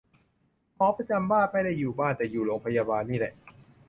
หมอประจำบ้าน ไม่ได้อยู่บ้าน แต่อยู่โรงพยาบาลนี่แหละ